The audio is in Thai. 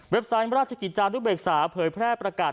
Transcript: เว็บไซม์ราชกิจาลูกเอกสารเผยแพร่ประกาศ